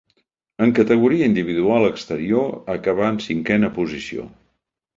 En categoria individual exterior acabà en cinquena posició.